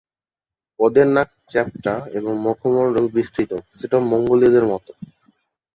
অওদের নাক চ্যাপ্টা এবং মুখমন্ডল বিস্তৃত, কিছুটা মঙ্গোলীয়দের মতো।